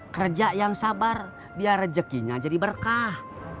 kerja yang sabar biar rezekinya jadi berkah